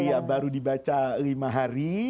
iya baru dibaca lima hari